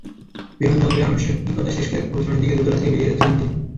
বিমানবন্দরের আনুষ্ঠানিকতা শেষ করে ভোর ছয়টার দিকে দোতলা থেকে বেরিয়ে যাচ্ছিলেন তিনি।